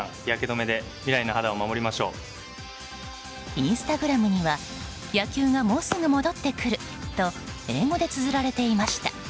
インスタグラムには野球がもうすぐ戻ってくると英語でつづられていました。